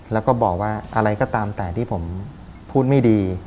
แล้วก็บอกว่าอะไรก็ตามแต่ที่ผมพูดไม่ดี